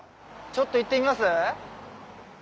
ちょっと行ってみます？